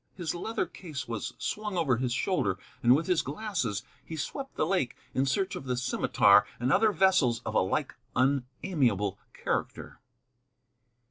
His leather case was swung over his shoulder, and with his glasses he swept the lake in search of the Scimitar and other vessels of a like unamiable character.